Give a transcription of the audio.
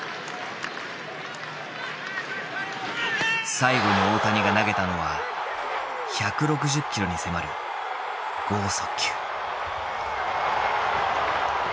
最後に大谷が投げたのは１６０キロに迫る剛速球。